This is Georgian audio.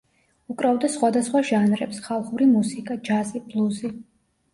უკრავდა სხვადასხვა ჟანრებს: ხალხური მუსიკა, ჯაზი, ბლუზი.